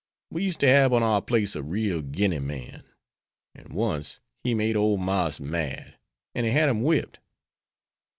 We used to hab on our place a real Guinea man, an' once he made ole Marse mad, an' he had him whipped.